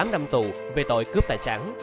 một mươi tám năm tù về tội cướp tài sản